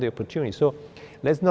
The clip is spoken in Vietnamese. rất phát triển